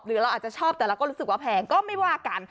เราอาจจะชอบแต่เราก็รู้สึกว่าแพงก็ไม่ว่ากัน